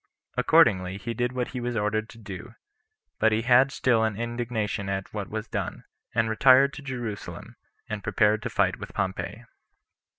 Accordingly he did what he was ordered to do; but had still an indignation at what was done, and retired to Jerusalem, and prepared to fight with Pompey.